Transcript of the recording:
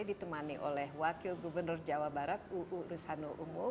ditemani oleh wakil gubernur jawa barat uu rusanul umul